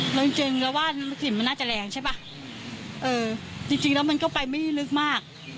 แล้วจริงจริงแล้วว่ากลิ่นมันน่าจะแรงใช่ป่ะเออจริงจริงแล้วมันก็ไปไม่ได้ลึกมาก